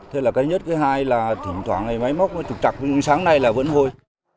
thế là cái nhất cái hai là thỉnh thoảng này máy móc nó trục trặc nhưng sáng nay là vẫn hôi